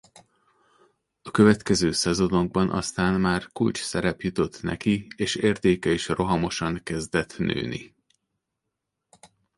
A következő szezonokban aztán már kulcsszerep jutott neki és értéke is rohamosan kezdett nőni.